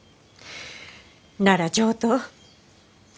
なら上等。